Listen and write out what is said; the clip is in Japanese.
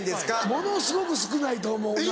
ものすごく少ないと思うな。